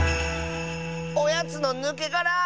「おやつのぬけがら」！